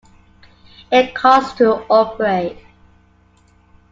It cost to operate.